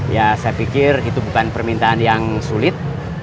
ya saya pikir itu bukan permintaan yang sulit